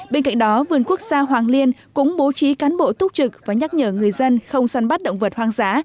bên cạnh đó vườn quốc gia hoàng liên cũng bố trí cán bộ túc trực và nhắc nhở người dân không săn bắt động vật hoang dã